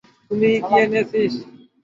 তুই কি এনেছিস?